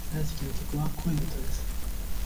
大好きな曲は、恋の歌です。